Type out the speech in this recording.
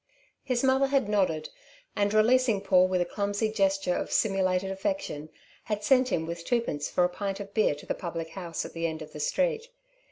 His mother had nodded, and, releasing Paul with a clumsy gesture of simulated affection, had sent him with twopence for a pint of beer to the public house at the end of the street.